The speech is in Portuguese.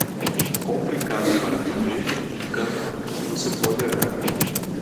Compre casa para viver e campo que você pode arar.